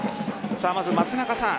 まず、松中さん